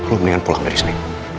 lo mendingan pulang dari sini